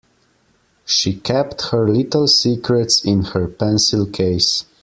She kept her little secrets in her pencil case.